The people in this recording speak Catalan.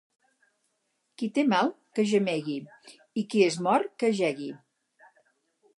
Qui té mal, que gemegui, i qui és mort, que jegui.